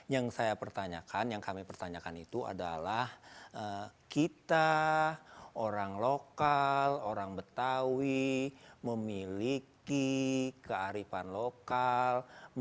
yang saya pertanyakan yang kami pertanyakan itu adalah kita orang lokal orang betawi memiliki kearifan lokal